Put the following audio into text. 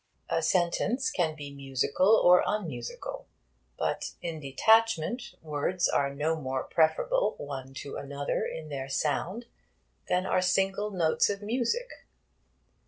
A sentence can be musical or unmusical. But in detachment words are no more preferable one to another in their sound than are single notes of music.